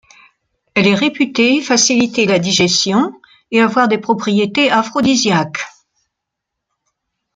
Elle est réputée faciliter la digestion et avoir des propriétés aphrodisiaques.